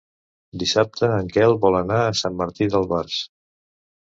Dissabte en Quel vol anar a Sant Martí d'Albars.